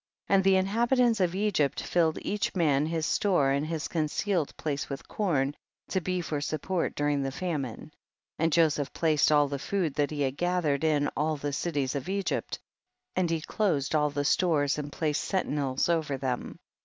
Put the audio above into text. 13. And the inhabitants of Egypt filled each man his store and his concealed place with corn, to be for support during the famine. 14. And Joseph placed all the food that he had gathered in all the cities of Egypt, and he closed all the stores and placed sentinels over them.